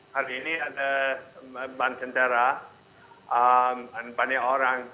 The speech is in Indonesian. hari ini ada banteng darah dan banyak orang